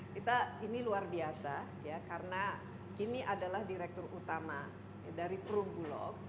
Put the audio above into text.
kita ini luar biasa ya karena ini adalah direktur utama dari perumbulok